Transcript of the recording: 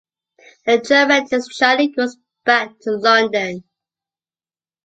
The traumatized Charlie goes back to London.